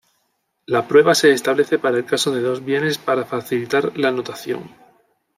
La prueba se establece para el caso de dos bienes para facilitar la notación.